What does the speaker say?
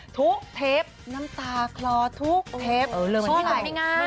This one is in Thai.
ทุกเทปน้ำตาคลอทุกเทปเออเริ่มวันที่ไขมันง่าย